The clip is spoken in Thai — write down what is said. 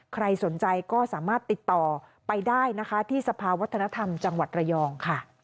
ใครสนใจก็สามารถติดต่อไปได้นะคะที่สภาวัฒนธรรมจังหวัดระยองค่ะ